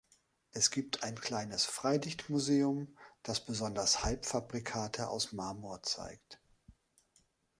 Es gibt ein kleines Freilichtmuseum, das besonders Halbfabrikate aus Marmor zeigt.